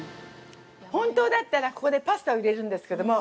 ◆本当だったら、ここでパスタを入れるんですけども。